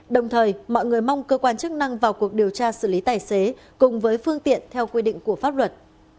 đồng thời mọi người mong cơ quan chức năng vào cuộc điều tra xử lý tài xế cùng với phương tiện theo quy định của pháp luật